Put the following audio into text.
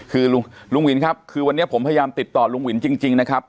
คือลุงวินครับคือวันนี้ผมพยายามติดต่อลุงวินจริงนะครับ